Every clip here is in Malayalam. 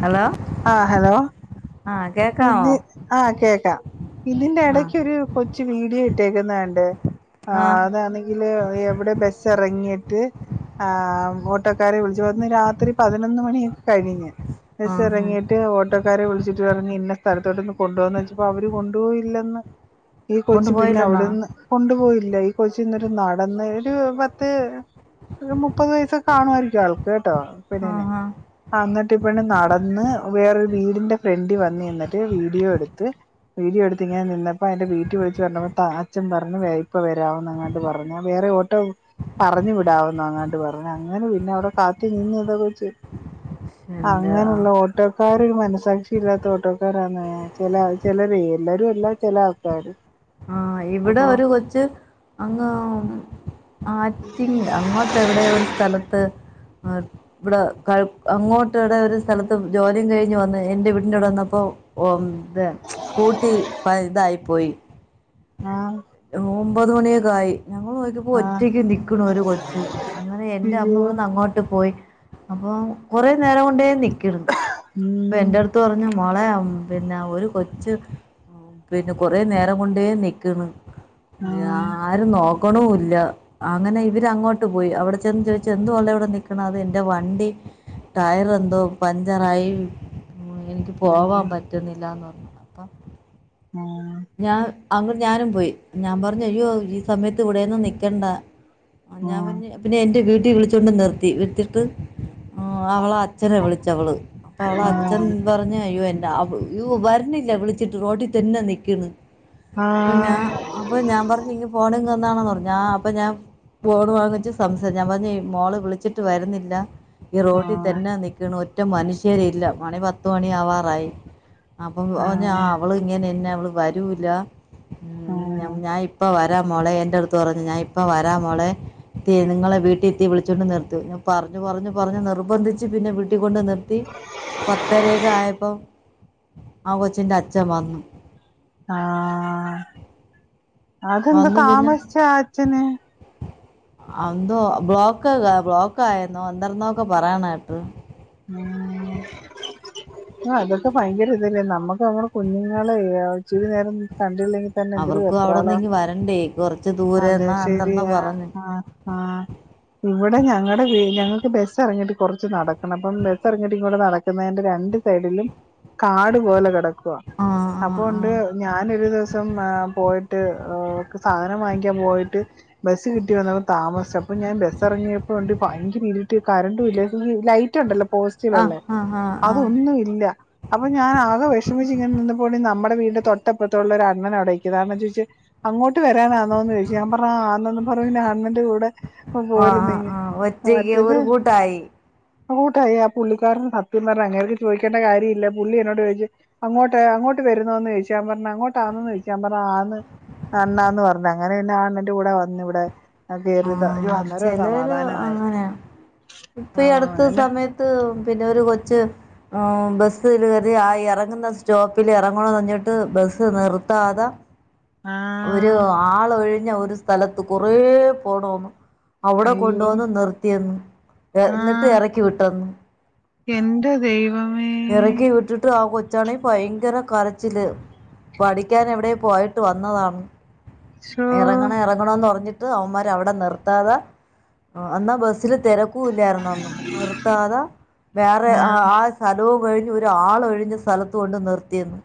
ഹലോ ആഹ് ഹലോ ആഹ് ഇന്ന് ആഹ് കേക്കാം ഇന്നിന്റെ ആ ഇടക്കൊരു കൊച്ചു വീഡിയോ ഇട്ടേക്കുന്നണ്ട് ആ ആഹ് അതാണെങ്കില് എവിടെ ബസ് ഇറങ്ങിയിട്ട് ആഹ് ഓട്ടക്കാരെ വിളിച്ചു പറഞ്ഞ്. രാത്രി പതിനൊന്ന് മണിയൊക്കെ കഴിഞ്ഞ്. ആ ആ കഴിച്ചെറങ്ങിയിട്ട് ഓട്ടോക്കാരെ വിളിച്ചിട്ട് പറഞ്ഞു ഞ്ഞി ഇന്ന സ്ഥലത്തോട്ടൊന്ന് കൊണ്ട് പോവോന്നോയ്ച്ചപ്പോ അവര് കൊണ്ടുപോയില്ലന്ന്. ഈ കൊച്ചു പിന്നെ കൊണ്ടുപോയില്ലെന്നോ അവിടെന്ന് കൊണ്ടുപോയില്ല. ഈ കൊച്ചിന്നിട്ട് നടന്ന് ഒരു പത്ത് ഒരു മുപ്പത് വയസ്സൊക്കെ കാണുവായിരിക്കും ആൾക്ക് കേട്ടോ ആ പെണ്ണിന്. ആ ആന്നിട്ട് ഈ പെണ്ണ് നടന്ന് വേറൊരു വീടിന്റെ ഫ്രണ്ടി വ ന്ന് നിന്നിട്ട് വീഡിയോ എടുത്ത് വീഡിയോ എടുത്ത്ങ്ങനെ നിന്നപ്പോ അയിന്റെ വീട്ടിൽ വിളിച്ച് പറഞ്ഞപ്പോ താ അച്ഛൻ പറഞ്ഞു. വേ ഇപ്പ വരാവെന്നെങ്ങാണ്ട് പറഞ്ഞു. ഞാൻ വേറെ ഓട്ടോ പറഞ്ഞു വിടാവെന്നോ എങ്ങാണ്ട് പറഞ്ഞ്. അങ്ങനെ പിന്നെ അവടെ കാത്തി നിന്ന് ഇതേ കൊച്ച് എൻ്റെ ആ അങ്ങനെയുള്ള ഓട്ടോക്കാരൊരു മനസ്സാക്ഷി ഇല്ലാ ത്തോട്ടോക്കാരാന്ന്. ചില ചിലര് എല്ലാരും അല്ല. ചില ആൾക്കാര് ആഹ് ഇവിടെ അപ്പൊ ഒര് കൊച്ച് അങ്ങ് ഉം ആറ്റിങ്ങലോ അങ്ങോട്ടെവിടെയോ ഒരു സ്ഥലത്ത് നിർ ഇവിടെ കഴ്‌ അങ്ങോട്ടിവിടെ ഒരു സ്ഥലത്ത് ജോലിയും കഴിഞ്ഞ് വന്ന് എന്റെ വീടിന്റെവിടെ വന്നപ്പോ ഓം ഇത് സ്കൂട്ടി പഴ്തായി പോയി ആഹ് ഓമ്പത് മണിയൊക്കെ ആയി. ഞങ്ങള് നോക്കിയ പ്പോ ആ ഒറ്റയ്ക്ക് നിക്ക്‌ണു ഒരു കൊച്ച്. അങ്ങനെ എൻറെ അമ്മ അയ്യോ ഇവിടുന്ന് അങ്ങോട്ട് പോയി. അപ്പോ കൊറെ നേരം കൊണ്ടേ നിക്ക്ണ് അപ്പോ ഉം എന്റെ അടുത്ത് പറഞ്ഞ് മോളെ ഉം പിന്നെ ഒരു കൊച്ച് പിന്നെ കൊറേ നേരം കൊണ്ടേ നിക്കണ്. ആ ആരും നോക്കണൂല്ല. അങ്ങനെ ഇവര് അങ്ങോട്ട് പോയി. അവിടെ ചെന്ന് ചോയിച്ചു. എന്തുവാണെ ഇവിടെ നിക്കണത് എന്റെ വണ്ടി ടയർ എന്തോ പഞ്ചറായി. എനിക്ക് ആ പോവാൻ പറ്റുന്നില്ലാന്ന് പറഞ്ഞു. അപ്പം ഉം ഞാൻ അങ്ങോട്ട് ഞാനും പോയി. ഞാൻ പറഞ്ഞു. അയ്യോ ഈ സമയത്ത് ഇവിടെ ഒന്നും നിക്കണ്ട. ആഹ് ആ ഞാൻ പറഞ്ഞ്, പിന്നെ എന്റെ വീട്ടിൽ വിളിച്ചോണ്ട് നിർത്തി. നിർത്തിട്ട് ആഹ് അവള അച്ഛനെ വിളിച്ചവള്. അപ്പോ അവളെ അച്ഛൻ പറഞ്ഞ് അയ്യോ എന്റെ യ്യോ വരണില്ല വിളിച്ചിട്ട്. റോട്ടി തന്നെ നിക്കണ്. ആ അപ്പ ഞാൻ അപ്പ ഞാൻ പറഞ്ഞ് ഇങ്ങ് ഫോണിങ്ങ് തന്നാണ്ന്ന് പറഞ്ഞ്. അപ്പോ ഞാൻ ഫോണ് വാങ്ങിച്ചു സംസാ, ഞാൻ പറഞ്ഞു മോള് വിളിച്ചിട്ട് വരുന്നില്ല ഈ ആ റോട്ടി ആ തന്നാ നിക്ക്ണ്. ഒറ്റ മനുഷ്യരില്ല. മണി പത്ത് മണി ആവാറായി. അപ്പോ ഓഞ്ഞ ആഹ് അവള് ഇങ്ങനെന്നെ അവള് വരൂല ഉം ആഹ് ഞ്ഞം ഞാൻ ഇപ്പ വരാ മോളെ. എന്റെ അടുത്ത് പറഞ്ഞു ഞാൻ ഇപ്പ വരാ മോളെ. ത്തി നിങ്ങളെ വീട്ടിത്തി വിളിച്ചോണ്ട് നിർത്ത്. ഞാൻ പറഞ്ഞു പറഞ്ഞു പറഞ്ഞ് നിർബന്ധിച്ച് പിന്നെ വി ട്ടിക്കൊണ്ട് നിർത്തി. പത്തര ഒക്കെ ആയപ്പം ആ കൊച്ചിന്റെ അച്ഛൻ വന്നു. ആഹ്. അതെന്താ താമസിച്ചാ ആഹ് അച്ഛന് അന്തോ ബ്ലോക്ക് ബ്ലോക്ക് ആയെന്നോ? എന്തരുന്നോക്കെ പറയാണേട്ടു ഉം ആഹ് അതൊക്കെ ഭയങ്കര ഇതല്ലേ? നമ്മുക്ക് നമ്മടെ കുഞ്ഞുങ്ങള് ഇച്ചിരി നേരം കണ്ടില്ലെങ്കി തന്നെ എന്തൊരു അവർക്കും അവിടെ നിന്ന് വെപ്രാളവാ. ഇങ്ങ് വരണ്ടേ കുറച്ച് ദൂരെ അതെ എന്നാ എന്തെന്നോ ശരിയാ. പറഞ്ഞു ആഹ് ആഹ് ഇവിടെ ഞങ്ങടെ വീ ഞങ്ങക്ക് ബസ് എറങ്ങിട്ട് കൊറച്ച് നട ക്കണം അപ്പം ബസ്സ് എറങ്ങിട്ട് ഇങ്ങോട്ട് നടക്കുന്നതിന്റെ രണ്ട് സൈഡിലും കാടു പോലെ കെടക്കുവാ ആഹ് അപ്പോണ്ട് ഞാൻ ഒരു ദിവസം ഏഹ് പോയിട്ട്. ഏഹ് സാധനം വാങ്ങിക്കാൻ പോയിട്ട് ബസ് കിട്ടി വന്നപ്പൊ താമസം അപ്പൊ ഞാൻ ബസ് ഇറങ്ങിയപ്പോണ്ട് ഭയങ്കര ഇരുട്ട് കറണ്ടുംല്ല ഈ ലൈ റ്റുണ്ടല്ലോ ആ ആ പോസ്റ്റിലുള്ള ആ ആ ആ അതൊന്നും ല്ല അപ്പൊ ഞാൻ ആക വിഷമിച്ച് ഇങ്ങെനെ നിന്നപ്പൊ ഇണ്ട് നമ്മുടെ വീടിന്റെ തൊട്ടപ്പുറത്തുള്ള ഒരു അണ്ണനവിടെ നിക്കുന്ന് അണ്ണൻ ചോയിച്ച് അങ്ങോട്ട് വരാനാന്നോന്ന് ചോയ്ച്ചു ഞാൻ പറഞ് ആന്നന്ന് പറഞ്ഞു ഞാൻ അണ്ണന്റെ കൂടെ ഒപ്പ പോരുന്നെങ്ങ് മറ്റത് തായി ആ കൂട്ടായി ആ പുള്ളിക്കാരന് സത്യം പറഞ്ഞ അങ്ങനൊന്നും ചോയിക്കേണ്ട കാര്യവില്ല പുള്ളി എന്നോട് ചോയിച്ച് അങ്ങോട്ട് അങ്ങോട്ട് വരുന്നന്ന് ചോയ്ച്ചു ഞാൻ പറഞ്ഞ് അങ്ങോട്ടാന്ന് ചോയ്ച്ചു ഞാൻ പറഞ്ഞ് ആന്ന് അണ്ണാന്ന് പറഞ്ഞ് അങ്ങനെ പിന്നെ ആ അണ്ണന്റെ കൂടെ വന്നിവിടെ ആ കേറി ത അന്നേരു ചിലര് സമാധാന അങ്ങനെ യെആ നെ ന്ത്പിന്നെ ഒരു കൊച്ച് ആബസ്സ്കേറി ആ ഇറങ്ന്ന സ്റ്റോപ്പില് ഇറങ്ങണൊന്നറിഞ്ഞിട്ട് ബസ്സ് നിർത്താതെ ആഹ് ഒരു ആള് ഒഴിഞ്ഞ ഒരു സ്ഥലത്ത് കൊറേ പോണെന്ന് അവിടെ അയ്യോ കൊണ്ടുവന്ന് നിർത്തിയ ന്ന് ആ എന്നിട്ട് ഇറക്കി വിട്ടന്ന് എന്റെ ദൈവമേ റക്കി വിട്ടു ആ കൊച്ചാണങ്കി ഭയങ്കര കരച്ചില് പഠിക്കാനെ എവിടെ പോയട്ട് വന്നതാണ് ശോ ഇറങ്ങ ങ്ങണംഇറങ്ങ ണോന്ന്പറഞ്ഞിട്ട് അവന്മാര് അവിടെ നിർത്താതഎന്നാ ബസ്സില് തെര ക്കുഇല്ലായിരുന്ന അന്ന് നിർത്താതെ വേറെ ആ സ്ഥലവും കഴിഞ്ഞ് ഒരാ ള്ഒഴിഞ്ഞ സ്ഥലത്ത കൊണ്ട് നിർത്തിയ ന്ന്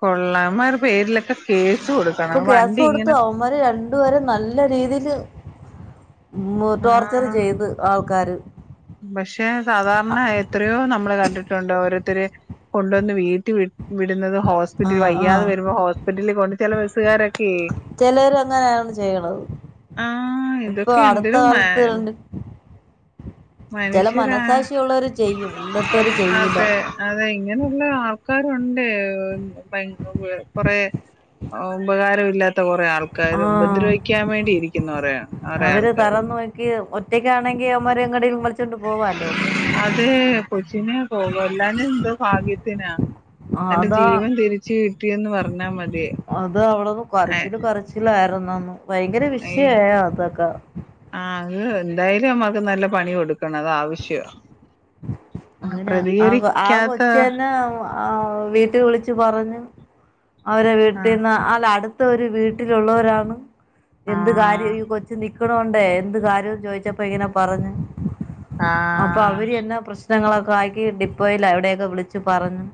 കൊള്ളാ ന്മാരെ പേരിലൊക്കെ കേസ് കൊടുക്ക ഇപ്പ കേസ് കൊടുത്ത്ആവന്മാര് രണ്ടുപേരെ നല്ല രീതിയില് മ്ടോർച്ചർ ആ ചെയ്ത് ആൾക്കാര് പക്ഷെ സാധാരണ എത്രയോ നമ്മള് കണ്ടിട്ടുണ്ട് ഓരോരുത്തര് കൊണ്ടന്ന് വീഴ്‌ത്തി വിടുന്നതും ആ ഹോസ്പിറ്റില് ആ വയ്യാതെ വരുമ്പോ ഹോസ്പിറ്റലിൽ കൊണ്ട് ചെല ബസ്സുകാരൊക്കെ ചെലര് അങ്ങനെയാണ് ചെയ്യണത് ആഹ് ഇപ്പൊ ഇതൊക്കെ അടുത്ത എന്തൊരു മ കാലത്ത് രണ്ട് ചില മനസാക്ഷിയുള്ളവർ ചെയ്യും ഇല്ലാത്തവർ ചെയ്യൂല മന്‌ഷ്യരാഅതെ അതെ ഇങ്ങനെയുള്ള ആൾക്കാരുണ്ട് മന്ഷ്കൊറെ ഉപകാരമില്ലാത്ത ആ കുറെആൾക്കാരും ഉപദ്രവിക്കാൻ വേണ്ടിയിരിക്കുന്ന കൊറെആൾക്കാരും ക്ക് ഒറ്റയ്ക്കണെങ്കി അവന്മാരങ്ങ ട്ടേങ്കിലും വലി ചൊണ്ട് പോവാല്ലൊ അത് കൊച്ചിനെ കൊകൊല്ലാ ഞഎന്തോ ഭാഗ്യത്തിനാ ആ, എന്റെ അതാ ജീവൻ തിരിച്ച് കിട്ടിയന്ന് പറഞ്ഞാ മതി എ ലായിരുന്ന ന്ന് ഭയങ്കര വിഷയയി അതൊക്കെ ആ അത് എന്തായാലും അവന്മാർക്ക് നല്ല പണി കൊടുക്കണം അത് ആവശ്യ അങ്ങന അആ കൊച്ച് നെ ആ വീട്ടിവിളിച്ച് പറഞ്ഞു അവര ആഹ് വീട്ടിന്ന് അല്ലടുത്ത ഒരു വീട്ടിലുള്ളൊരാണ് എന്ത് ആഹ് കാര്യം ഈ കൊച്ച് നി നിക്കണൊണ്ടെഎന്ത് കാര്യവും ചോയിച്ചപ്പ ഇങ്ങനെ പറഞ്ഞ് അപ്പ അവര് ആഹ് തന്ന പ്രശ്നങ്ങളൊക്കെ ആക്കി ഡിപ്പോയിലൊ എവിടെക്കെ വിളിച്ചു പറഞ്ഞു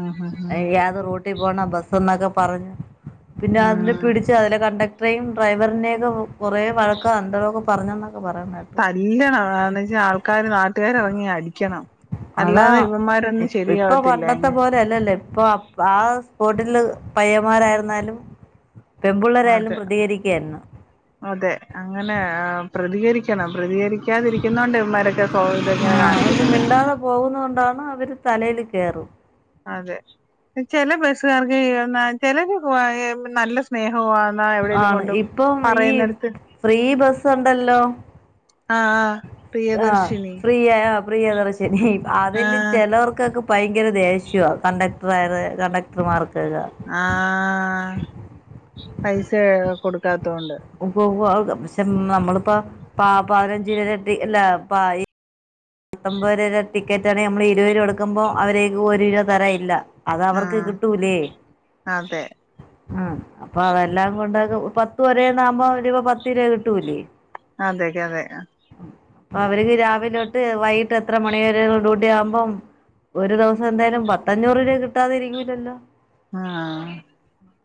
ഉം ഉം ഉം ഏത് റൂട്ടി കുട്ടി പോണബസ് എന്നക്കെ പറഞ് പിന്നെ ഉം അവനപിടി ച്അതിലെ കണ്ടക്ടറേയും ഡ്രൈവറനെയും ഒക്കെ കൊറേ വഴക്കാ എന്തോ രൊക്കപറഞ്ഞന്നൊക്കപറയണ കേട്ടു പറയായി തല്ലണം നാലഞ്ച് ആൾക്കാര് നാട്ടുകാര്ഇറങ്ങിഅടിക്കണം അതാ അല്ലാതെ ഇവന്മാരൊന്നും ശരിയാവത്തില്ല അങ്ങ് പണ്ടഅല്ല ല്ല ഇപ്പൊ ആ സ്പോട്ടില് പയ്യന്മാരായിരുന്നാലും പെമ്പുള്ളരായലും അതെ പ്രതികരിക്കുയിരുന്നു അതെ അങ്ങനെ പ്രതികരിക്കണം പ്രതികരി ക്കാതിരിക്കുന്നൊണ്ട ഇന്മാരൊക്കെ സ്വതന്ത്രം കാണിന്നത് പോകുന്നത് കൊണ്ടാണ് അവര് തലയിൽ കേറും അതെ ചില ബയ്സ്സുകാർക്ക് എന്നചിലര് പൊയ ന്നല്ല ആണ് ഇപ്പം ഈ പറയുന്നെടത്ത് ഫ്രീ ബസ്സ് ഉണ്ടല്ലോ ആഹ് ആഹ് ആ പ്രിയദർശിനി പ്രിയ അഹ് പ്രിയദർശിനി അതില് ആഹ് ചിലവർക്കൊക്കെ ഭയങ്കര ദേഷ്യവ കണ്ടക്ടർ കണ്ടക്ടർമാർക്കൊക്കെ ആഹ് പൈസ കൊട്ക്കാത്തൊണ്ട് പെ പ്ശെ നമ്മളിപ്പ പപതിനഞ്ച് രൂപ ടെട്ടി അല്ല പ പത്തൊമ്പത് രൂപ ടിക്കറ്റ ആണെങ്കിൽ നമ്മള് ഇരുത് രൂപ കൊടുക്കുമ്പോം അവരേല്ഒരു രൂപ തരൻ ഇല്ല അത് അവർക്ക് ആഹ് കിട്ടൂലേ അതെ ഉം അപ്പൊ അതെല്ലാം കൊണ്ട പത്തു വരേന്നാവകുമ്പോ പത്ത് രൂപ കിട്ടൂലേ അതെക്കെ അതെ അപ്പൊ അവർക്ക് രാവിലെതൊട്ട് വൈകിട്ട് എത്ര മണിയരെ ഡൂട്ടി ആകുമ്പം ഒരു ദിവസം എന്തായാലും പത്തഞ്ഞൂറ് രൂപ കിട്ടാതതി ഇരിക്കലല്ലോ ആഹ്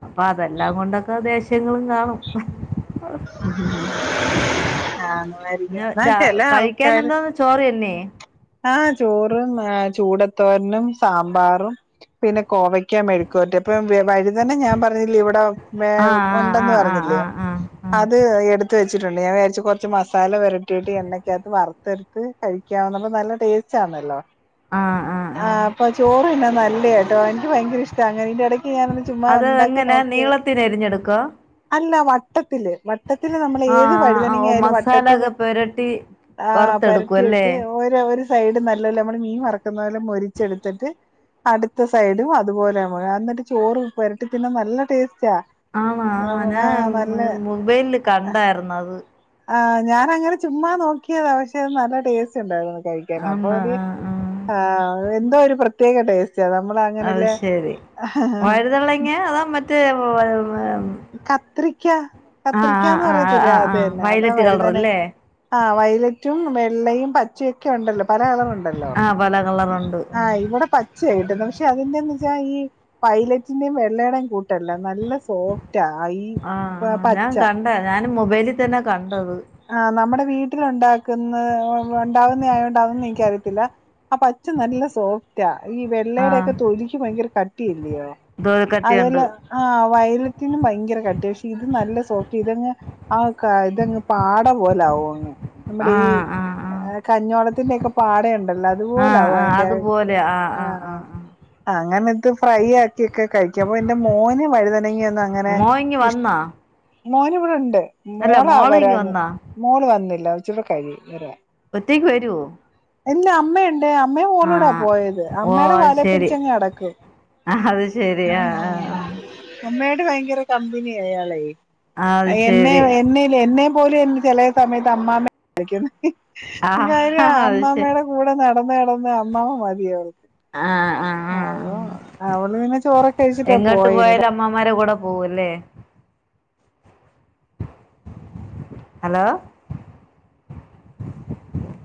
അപ്പൊ അതെല്ലാം കൊണ്ടൊക്കെ ദേഷ്യങ്ങളും കാണും ആഹ് രിക്കും പിന്നെ എന്നാ രാ ചെല കഴിക്കാൻ ആൾക്കാര് എന്താന്ന് ചോറ് തന്നെ ആഹ് ചോറും ആ ചൂടത്തോരനും സാമ്പാറും പിന്നെ കോവയ്ക്കാൻ മെഴുക്കുപേരട്ടി അപ്പൊ വ ഴുതന ഞാൻ പറഞ്ഞില്ലേ ഇവിടെ ആ ആ ആ ഉണ്ടെന്ന് ആ പറഞ്ഞില്ലേ ആ ആ ആ അത് എടുത്ത് വെച്ചിട്ടുണ്ട്. ഞാൻ വിചാരിച് കുറച്ചച്ച് മസാല വെരട്ടി ആയിട്ട് എണ്ണക്കകത്ത് വറുത്തെടുത്ത് കഴിക്കാവുന്നപ്പ നല്ല ടേസ്റ്റ് ആണല്ലോ ആ ആ ആ ആഹ് അപ്പ ചോർ തിന്നാൻ നല്ലയാട്ടോ എനിക്ക് ഭയങ്കര ഇഷ്ട അങ്ങനെ എന്റെ ഇടയ്ക്ക് ഞാനൊന്ന് ചുമ്മാ അത് ഉണ്ടാക്കി എങ്ങനെ നോക്കിയത് നീളത്തിന് എരിഞ്ഞെടുക്കോ അല്ല വട്ടത്തില് വട്ടത്തി നമ്മൾ ഏത് ആഹ് ആഹ് വഴുതനങ്ങ ഓഹ് ആയാലും മസാല വട്ടത്തി ഒക്കെ പെരട്ടി ആ വറുത്തെടുക്കും അല്ലേ പരട്ടിയിട്ട് ഒരു സൈഡ് നല്ലല്ലെ നമ്മള് മീൻ വറക്കുന്ന പോലെ മൊരിച്ചെടുത്തിട്ട് അടുത്ത സൈഡും അതുപോലെ എന്നിട്ട് ചോറ് പുരട്ടി പിന്നെ നല്ല ടേസ്റ്റാ ആഹ് നല്ല മുബൈലില് കണ്ടായിരുന്നു അത് ആ ഞാനങ്ങനെ ചുമ്മാ നോക്കിയതാ പക്ഷെ നല്ല ടേസ്റ്റ് ച്ച് ഉണ്ടായിരുന്നു കഴിക്കാൻ, അപ്പോ ആണോ അത് ആഹ് ആഹ് എന്തോ പ്രത്യ ടേസ്റ്റ് നമ്മളാ അത് ശരി വഴുതള്ളങ്ങ അതാ മറ്റേ കത്രിക്ക ആഹ് കത്രിക്കന്ന് ആഹ് പറയാത്തില്ല ആഹ് ആഹ് അതന്നെ അതാ വയലറ്റ് വഴുതനെ കളറല്ലേ ആഹ് വയലറ്റും വെള്ളയും പച്ചയൊക്കെ ഒണ്ടല്ലോ പല കളർ ഉണ്ടല്ലോ ആഹ് പല കളറുണ്ട് ആഹ് ഇവിടെ പ തീർച്ചയായിട്ടും പക്ഷെ അതിന്റെന്ന് വെച്ചാൽ ഈ പൈലറ്റിന്റെയും വെള്ളടയും കൂട്ടല്ല നല്ല സൊഫ്റ്റ ഈ പച്ച ഞാനും മൊബൈലിൽ തന്നെ കണ്ടത് ആഹ് നമ്മുടെ വീട്ടില് ഉണ്ടാക്കുന്ന ഉണ്ടാവുന്നായോണ്ട് അതൊന്നും എനിക്കറിയത്തില്ല അപ്പച്ച നല്ല സോ റ്റ ഈ വെള്ളയുടെ ആഹ് ഒക്കെ തൊലിക്ക് ഭയങ്കര കട്ടിയല്ലയോ ദോൽക്കട്ടിയുണ്ട് അതെലെ ആഹ് വയലത്തിനും ഭയങ്കര കട്ടി പക്ഷെ ഇത് നല്ല സോഫ്റ്റ് ഇതങ്ങ് ആകാ ഇതങ് പാട പോലെ ആവു അങ്ങ് നമ്മടെ ഈ ആഹ് ആഹ് ആഹ് എഹ് കഞ്ഞോടത്തിന്റെൊക്കെ പാടയുണ്ടല്ലോ ആഹ് അതുപോലാവോ ആഹ് അതിന്റെറെ അതുപോലെ ആഹ് ആഹ് ആഹ് ആഹ് അങ്ങനെ ഇത് ഫ്രൈ ആക്ക്യോക്കെ കഴിക്ക അപൊ എന്റെ മോന് വഴുതനങ്ങി ഒന്നും അങ്ങനെ മോഇങ് ഇഷ് വന്നാ മോന് ഇവിടെണ്ട് അല്ല മോളാ മോള് ഇങ്ങ് വരാഞ് വന്നാ മോള് വന്നില്ല കൊറച്ചുടെ കഴിയു വരാൻ ഒറ്റെക്ക് വരുവോ ഇല്ല അമ്മയുണ്ട് അമ്മെ മോള്ളൂടാ ആഹ് പോയത് ഓ അമ്മയുടെ അത് വാലെ ശരി പിടിച്ചങ് അടക്കും അത് ശരിയാ ആഹ് ആഹ് അമ്മയേട് ഭയങ്കര കമ്പനിയ അയാളെ ആഹ് അത് എന്നെ ശരി എന്നെ ലെന്നെ പോലും ചെലേ സമയത്ത് അമ്മ്മെ ളിക്കുന്നെ എന്തായാലും ആഹ് അത് ശരി അമ്മ്മയുടെ കൂടെ നടന്ന ടന്ന അമ്മാമാ മതിയ അവൾക്ക് ആഹ് ആഹ് ആഹ് അവ ആഹ് അവള്ന്നെ ചോറൊക്കെഴിച്ചിട്ടാ പോയനി മ്മാമ്മാരെടെ കൂടെ പോവു അല്ലേ ഹലോ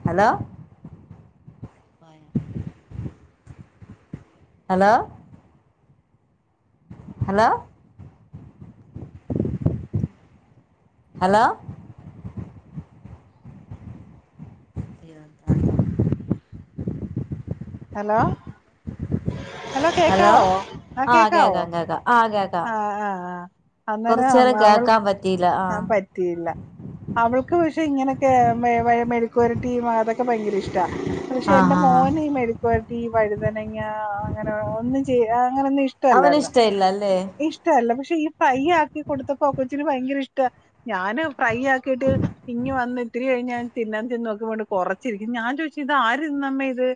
ഹലോ മഴ hello hello hello [inaudible] hello hello കേക്കാവോ ആഹ് കേക്കാവോ കേക്കാം കേക്കാം ആഹ് കേ ആഹ് ആഹ് അന്നേരം അവൾ കേക്കാൻ പറ്റിയില്ല ആ ആഹ് പ റ്റിയില്ല അവൾക്ക് പക്ഷെ ഇങ്ങനെയൊക്കെ മെഴു മെഴു മെഴുക്കു വരട്ടി അതൊക്കെ ഭയങ്കര ഇഷ് ടാ പക്ഷേ എന്റെ ആഹ് ആഹ് മോന് മെഴു ക്കുവര്ത്തീ വഴുതനങ്ങ അങ്ങനെ ഒന്നും ചെയ അങ്ങനെ ഒന്നും ഇഷ് അവന് ഇഷ്ട ഇല്ല അല്ലേ ഇഷ്ട അല്ല പക്ഷേ ഈ ഫ്രൈ ആക്കി കൊടുത്തപ്പോ ആ കൊച്ചിന് ഭയങ്കര ഇഷ്ട ഞാന് ഫ്രൈ ആക്കിട്ട് പിന്നെ വന്ന് ഇത്തിരി കഴിഞ്ഞ് ഞാൻ തിന്നാൻ ചെന്നോക്കുമ്പട്ട് കൊറച്ചിരിക്കും ഞാൻ ചോയ്ച്ച് ഇത് ആര് തിന്നമ്മേ ഇത്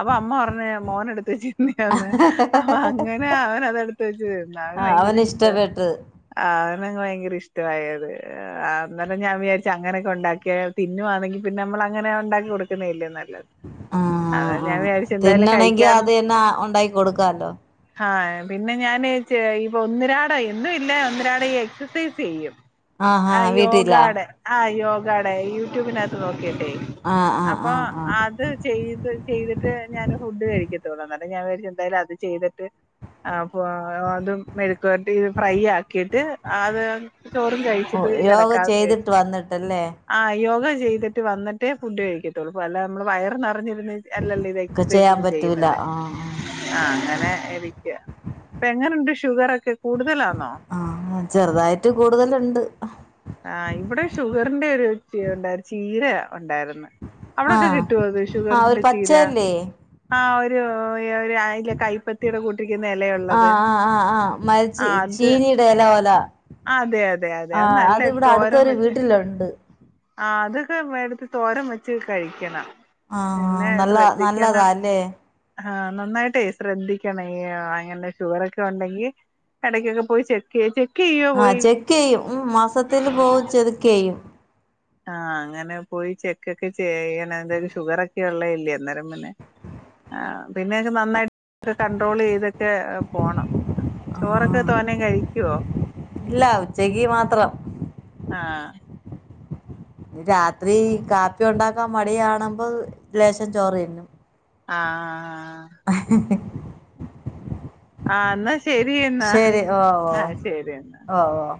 അപ്പൊ അമ്മ പറഞ്ഞു മോന് എടുത്ത് കഴിച്ചാ [unintelligible] ന്ന് അപ്പൊ അങ്ങനെ അവൻ അത് എടുത്ത് വെച്ച് കയ് ആഹ് അവന് ഇഷ്ടപ്പെട്ട് ആഹ് അവനങ് ഭയങ്കര ഇഷ്ടമായത് അന്നേരം ഞാൻ വിചാരിച്ചു അങ്ങനെയൊക്കെ ഉണ്ടാക്കിയ തിന്നുവാണെങ്കി പിന്നെ നമ്മള് അങ്ങനെ ഉണ്ടാക്കി കൊടുക്കുന്നല്ലേ നല്ലത് അതാ ആഹ് ഞാൻ ആഹ് വിചാരിച്ചു എന്തായാലും തിന്നാണെങ്കി കഴിക്കാൻ അതെന്നെ ഉണ്ടാക്കി കൊടുക്കാല്ലോ ആഹ് പിന്നെ ഞാന് ചെ ഇപ്പൊ ഒന്നിരാട എന്നും ഇല്ല ഒന്നരാട എക്സസൈസ് ചെയ്യും ആഹാ ആഹ് വീട്ടിലാ യോഗാടെ ആഹ് യോഗാടേ യൂട്യൂബിനകത്ത് നോക്കിട്ടെ ആഹ് ആഹ് അപ്പൊ ആഹ് ആഹ് അത് ചെയ്ത് ചെയ്തിട്ട് ഞാന് ഫുഡ് കഴിക്കത്തൊള്ള അന്നേരം ഞാൻ എന്തായാലും അത് ചെയ്തിട്ട് അപ്പൊ അതും മെഴുക്കുവരട്ടി ഫ്രൈ ആക്കിയിട്ട് അത് ചോറും ഓ കഴിച്ചിട്ട് യോഗ കിടക്കാന്ന് ചെയ്തിട്ട് വിചാരിച്ച് വന്നിട്ടല്ലേ ആഹ് യോഗ ചെയ്തിട്ട് വന്നിട്ടേ ഫുഡ് കഴിക്കത്തൊള്ളൂ. അല്ല നമ്മളെ വയർ നിറഞ്ഞിരുന്ന് അല്ലല്ലോ ഇത് ഒക്കെ എക്സസൈസ് ചെയ്യാൻ ഒന്നും പറ്റൂല ചെയ്യുന്നത് ആഹ് ആഹ് അങ്ങനെ ഇരിക്ക ഇപ്പെങ്ങനുണ്ട് ഷുഗർ ഒക്കെ കൂടുതലാണോ ആഹ് ചെറ്തായിട്ട് കൂടുതല്ണ്ട് ആഹ് ഇവിടെ ഷുഗറിന്റെ ഒരു പിന്നെ ചീര ഉണ്ടായിരുന്നു അവിടൊക്കെ ആഹ് കിട്ടുവോ അത് ആഹ് ഒരു ഷുഗറിന്റെ ചീര പച്ചയല്ലേ ആഹ് ഒരു ഒരു അയ് ലെ കൈപ്പത്തിയുടെ കൂട്ടിരിക്കുന്ന എലയുള്ളത് ആഹ് ആഹ് ആഹ് ആഹ് മരിച്ചി ആ അത് ചീനിയുടെ ഇല പോല അതെ അതെ അതെ അത് ആഹ് നല്ല ഇവിടെ തോരം അടുത്തൊരു വെച് വീട്ടിലുണ്ട് ആഹ് അതൊക്കെ മേടിച്ച് തോരം വെച്ച് കഴിക്കണം ആഹ് ന്നെ നല്ല ശ്രദ്ധിക്കണം നല്ലതാല്ലേ ആഹ് നന്നായിട്ടേ ശ്രദ്ധിക്കണേ ഈ അങ്ങനെ ഷുഗറൊക്കെ ഉണ്ടെങ്കി എടയ്ക്കൊക്കെ പോയി ചെക്ക് ചെയ്യ, ചെക്ക് ചെയ്യോ പോയി ക്കെയ്യും ഉം മാസത്തിൽ പോവും ചെത്ക്കെയ്യും ആഹ് അങ്ങനെ പോയി ചെക്കൊക്കെ ചെയ്യണം. എന്തായാലും ഷുഗർ ഒക്കെ ഉള്ള അല്ലേ അന്നേരം പിന്നെ ആഹ് പിന്നൊക്കെ നന്നായി ട്ട് കണ്ട്രോൾ ചെയ്തൊക്കെ പോണം. ചോറൊക്കെ ആഹ് തോനെ കഴിക്കുവോ? ഇല്ല ഉച്ചയ്ക്ക് മാത്രം ആഹ് രാത്രി കാപ്പി ഉണ്ടാക്കാൻ മടിയാണുമ്പോ ലേശം ചോറ് തിന്നും ആഹ് ആഹ് ന്നാ ശരിയ എന്നാ ശരി ഓ ആഹ് ശരി എന്നാ ഓ ഓ ഓ